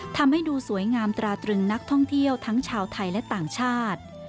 ทำให้ดูสวยงามตราตรึงนักท่องเที่ยวทั้งชาวไทยและต่างชาติ